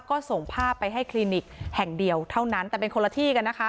ก็ส่งภาพไปให้คลินิกแห่งเดียวเท่านั้นแต่เป็นคนละที่กันนะคะ